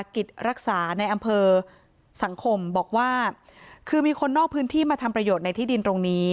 กิจรักษาในอำเภอสังคมบอกว่าคือมีคนนอกพื้นที่มาทำประโยชน์ในที่ดินตรงนี้